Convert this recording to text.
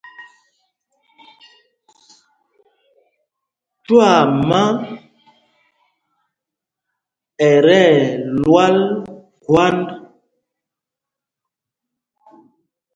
Twaama ɛ tí ɛlwal khwǎnd.